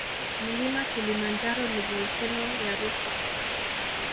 Mlima kilimanjaro ni volkeno ya rusu